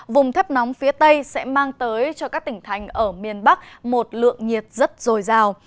vùng thấp nóng phía tây sẽ mang tới cho các tỉnh thành ở miền bắc một lượng nhiệt rất dồi dào